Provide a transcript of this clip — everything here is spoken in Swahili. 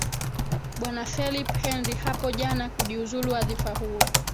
bwana felipe henry hapo jana kujiuzulu wadhifa huo